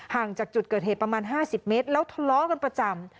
จากจุดเกิดเหตุประมาณ๕๐เมตรแล้วทะเลาะกันประจำ